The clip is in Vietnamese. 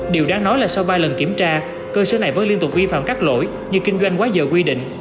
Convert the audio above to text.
điều đáng nói là sau ba lần kiểm tra cơ sở này vẫn liên tục vi phạm các lỗi như kinh doanh quá giờ quy định